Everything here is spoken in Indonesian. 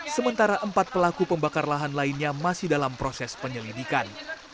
sementara empat pelaku pembakar lahan lainnya masih dalam proses penyelidikan